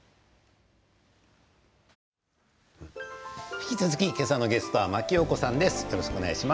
引き続き、今朝のゲストは真木よう子さんです。